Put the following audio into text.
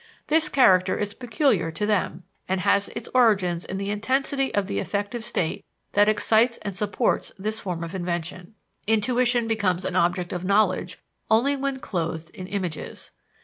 This character is peculiar to them, and has its origin in the intensity of the affective state that excites and supports this form of invention. Intuition becomes an object of knowledge only when clothed in images.